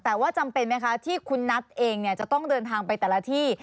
แต่ว่าจำเป็นไหมคะที่คุณนัทเองจะต้องเดินทางไปแต่ละที่